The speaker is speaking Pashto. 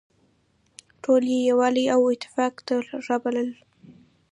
ټول يې يووالي او اتفاق ته رابلل.